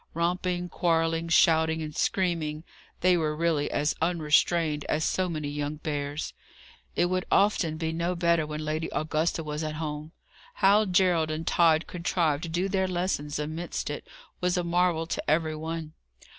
Romping, quarrelling, shouting and screaming, they were really as unrestrained as so many young bears. It would often be no better when Lady Augusta was at home. How Gerald and Tod contrived to do their lessons amidst it was a marvel to every one.